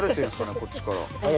こっちから。